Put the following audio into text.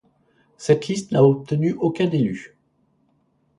Cette liste n'a obtenu aucun élu.